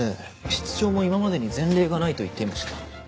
室長も今までに前例がないと言っていました。